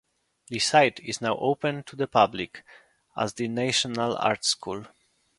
The site is now open to the public as The National Art School.